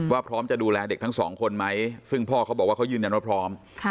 พร้อมจะดูแลเด็กทั้งสองคนไหมซึ่งพ่อเขาบอกว่าเขายืนยันว่าพร้อม